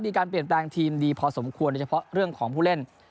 มีการเปลี่ยนแปลงทีมดีพอสมควรโดยเฉพาะเรื่องของผู้เล่น